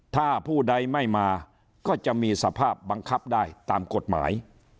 ถ้าผู้ใดไม่มาก็จะมีสภาพบังคับได้ตามกฎหมาย